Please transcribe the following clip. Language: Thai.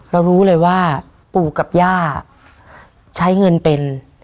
รู้เลยว่าปู่กับย่าใช้เงินเป็น